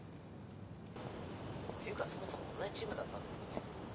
ていうかそもそもおんなじチームだったんですかね？